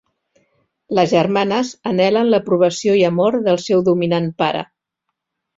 Les germanes anhelen l'aprovació i amor del seu dominant pare.